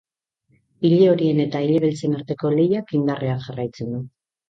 Ilehorien eta ilebeltzen arteko lehiak indarrean jarraitzen du.